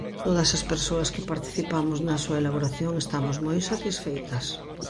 Todas as persoas que participamos na súa elaboración estamos moi satisfeitas.